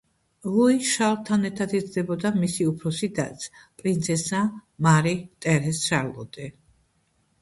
ლუი შარლთან ერთად იზრდებოდა მისი უფროსი დაც, პრინცესა მარი ტერეზ შარლოტი.